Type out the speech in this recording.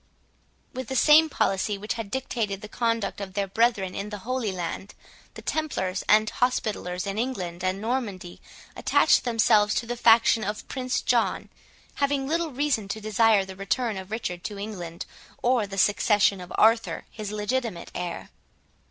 With the same policy which had dictated the conduct of their brethren in the Holy Land, the Templars and Hospitallers in England and Normandy attached themselves to the faction of Prince John, having little reason to desire the return of Richard to England, or the succession of Arthur, his legitimate heir.